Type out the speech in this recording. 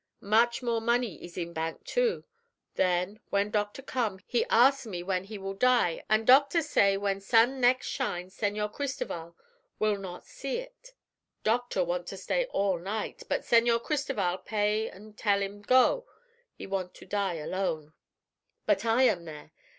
Much more money ees in bank, too. Then, when doctor come, he ask me when he will die, an' doctor say when sun next shine Señor Cristoval will not see it. Doctor want to stay all night, but Señor Cristoval pay an' tell him go. He want to die alone. "But I am there.